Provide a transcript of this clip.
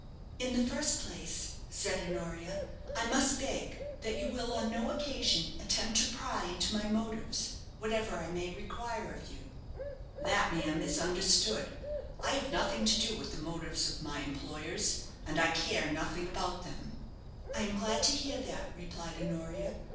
"In the first place," said Honoria, "I must beg that you will on no occasion attempt to pry into my motives, whatever I may require of you." "That, ma'am, is understood. I have nothing to do with the motives of my employers, and I care nothing about them." "I am glad to hear that," replied Honoria.